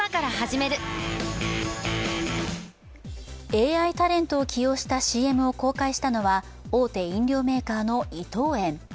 ＡＩタレントを起用したＣＭを公開したのは大手飲料メーカーの伊藤園。